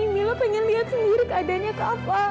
mila pengen lihat sendiri keadaannya kak fadil